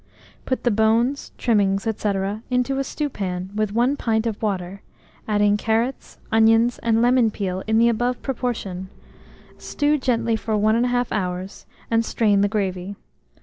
Put the bones, trimmings, &c., into a stewpan with 1 pint of water, adding carrots, onions, and lemon peel in the above proportion; stew gently for 1 1/2 hour, and strain the gravy.